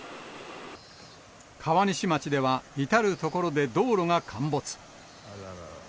川西町では至る所で道路が陥没。